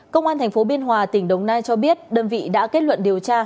công an tp biên hòa tỉnh đồng nai cho biết đơn vị đã kết luận điều tra